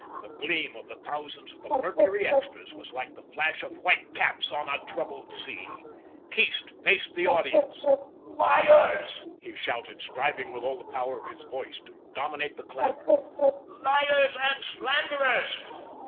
The gleam of the thousands of the "Mercury" extras was like the flash of white caps on a troubled sea. Keast faced the audience. "Liars," he shouted, striving with all the power of his voice to dominate the clamour, "liars and slanderers.